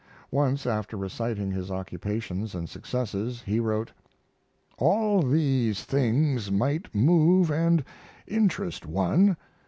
Once, after reciting his occupations and successes, he wrote: All these things might move and interest one.